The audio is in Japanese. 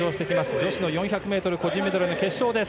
女子の４００ｍ個人メドレーの決勝です。